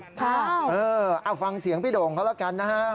ใช่เออฟังเสียงพี่ด่งเขาแล้วกันนะฮะ